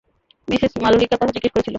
Mrs মাললিকার কথা জিজ্ঞেস করছিল।